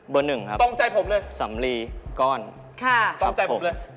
เบอร์๑ครับตรงใจผมเลยสำลีก้อนครับผมค่ะตรงใจผมเลย